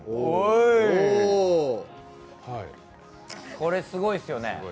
これすごいですよね。